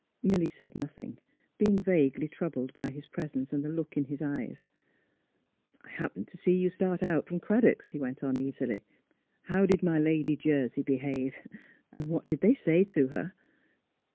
" Milly said nothing, being vaguely troubled by his presence and the look in his eyes. ^' I happened to see you start out from Crad dock's," he went on, easily. " How did my lady Jersey behave? And what did they say to her?